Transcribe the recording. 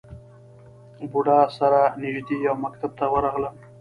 بودا سره نژدې یو مکتب ته ورغلم.